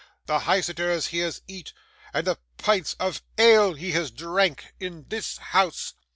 The hyseters he has eat, and the pints of ale he has drank, in this house